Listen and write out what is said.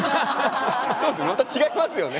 また違いますよね。